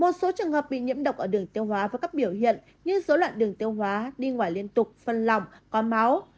trường hợp bị nhiễm độc ở đường tiêu hóa có các biểu hiện như dối lạn đường tiêu hóa đi ngoài liên tục phân lòng có máu